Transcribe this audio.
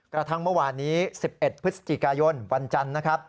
กระทั่งเมื่อวานนี้๑๑พฤศจิกายนวันจันทร์นะครับ